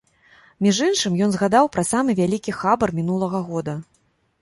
Між іншым, ён згадаў пра самы вялікі хабар мінулага года.